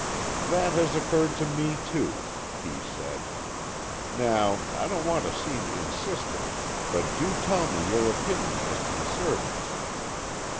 "That has occurred to me, too," Kee said. "Now, I don't want to seem insistent, but do tell me your opinion as to the servants."